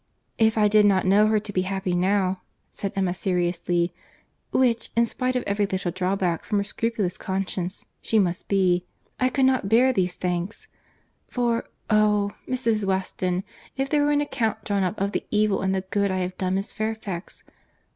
"If I did not know her to be happy now," said Emma, seriously, "which, in spite of every little drawback from her scrupulous conscience, she must be, I could not bear these thanks;—for, oh! Mrs. Weston, if there were an account drawn up of the evil and the good I have done Miss Fairfax!